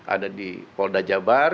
ada di polda jabar